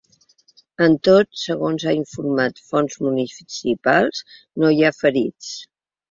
Amb tot, segons han informat fonts municipals, no hi ha ferits.